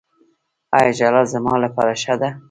ایا ژړا زما لپاره ښه ده؟